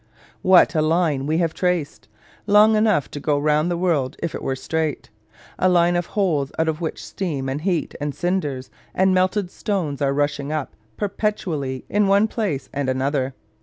What a line we have traced! Long enough to go round the world if it were straight. A line of holes out of which steam, and heat, and cinders, and melted stones are rushing up, perpetually, in one place and another.